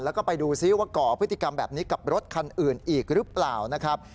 แล้วก็ไปดูซิว่าก่อพฤติกรรมแบบนี้กับรถคันอื่นอีกหรือเปล่านะครับ